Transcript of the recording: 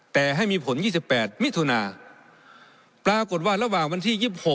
แต่ให้มีผล๒๘มิถุนาปรากฏว่าระหว่างวันที่๒๖